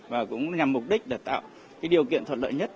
và cũng nhằm mục đích để tạo cái điều kiện thuận lợi nhất